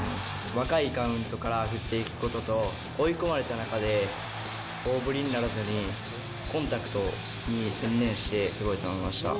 若いカウントから振っていくことと、追い込まれた中で大振りにならずに、コンタクトに専念してすごいと思いました。